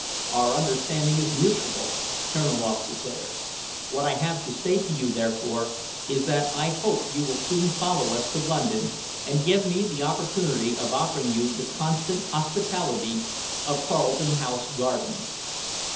"Our understanding is mutual," Terniloff declared. "What I have to say to you, therefore, is that I hope you will soon follow us to London and give me the opportunity of offering you the constant hospitality of Carlton House Gardens."